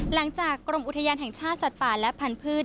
หลังจากกรมอุทยานแห่งชาติสัตว์ป่าและพันธุ์